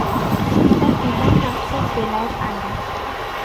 তার পিতার নাম শেখ বেলায়েত আলী।